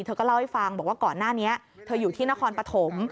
เธอก็เล่าให้ฟังบอกว่าก่อนหน้านี้เธออยู่ที่นครปฐม